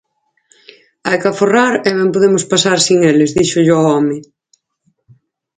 Hai que aforrar e ben podemos pasar sen eles, díxolle ao home.